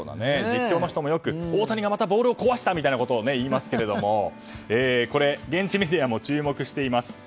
実況の人もよく大谷がまたボールを壊したみたいなことを言いますけれども現地メディアも注目しています。